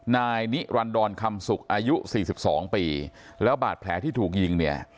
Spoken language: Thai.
นายนิรันดรคำสุกอายุสี่สิบสองปีแล้วบาดแผลที่ถูกยิงเนี่ย